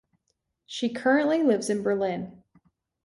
She currently lives in Berlin.